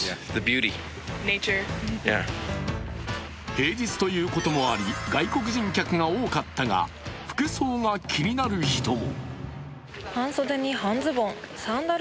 平日ということもあり外国人客が多かったが服装が気になる人も。